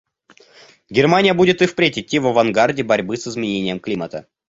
Германия будет и впредь идти в авангарде борьбы с изменением климата.